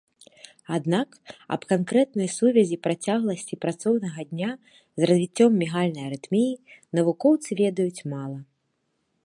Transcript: Аднак аб канкрэтнай сувязі працягласці працоўнага дня з развіццём мігальнай арытміі навукоўцы ведаюць мала.